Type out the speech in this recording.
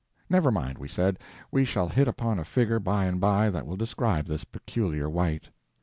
Never mind, we said; we shall hit upon a figure by and by that will describe this peculiar white.